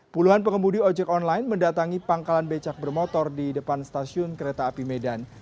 puluhan pengemudi ojek online mendatangi pangkalan becak bermotor di depan stasiun kereta api medan